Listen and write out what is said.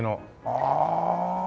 ああ。